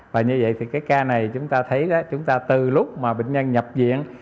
và như vậy thì cái ca này chúng ta thấy chúng ta từ lúc mà bệnh nhân nhập viện